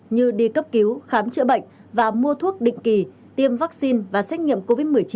như đi cấp cứu khám chữa bệnh và mua thuốc định kỳ tiêm vaccine và xét nghiệm covid một mươi chín